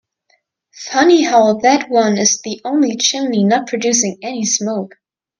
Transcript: Funny how that one is the only chimney not producing any smoke.